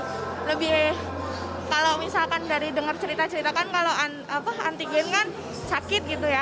ya lebih kalau misalkan dari dengar cerita cerita kan kalau antigen kan sakit gitu ya